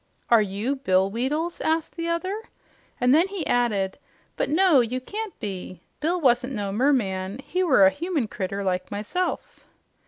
"Are YOU Bill Weedles?" asked the other. And then he added, "But no, you can't be. Bill wasn't no mermaid. He were a human critter like myself."